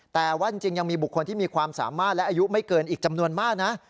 แต่ว่าจริงยังมีบุคคลที่มีความสามารถและอายุไม่เกินอีกจำนวนมากนะ